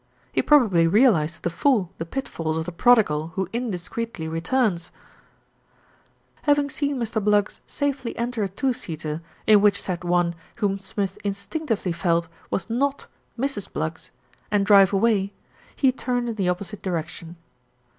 "He probably realised to the full the pitfalls of the prodigal who indiscreetly returns !" Having seen Mr. Bluggs safely enter a two seater, in which sat one whom Smith instinctively felt was not Mrs. Bluggs, and drive away, he turned in the opposite direction.